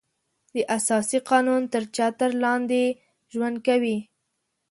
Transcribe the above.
د اساسي قانون تر چتر لاندې ژوند کوي.